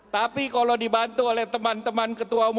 tapi kalau dibantu oleh teman teman ketua umum